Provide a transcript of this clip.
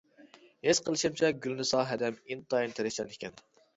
ھېس قىلىشىمچە گۈلنىسا ھەدەم ئىنتايىن تىرىشچان ئىكەن.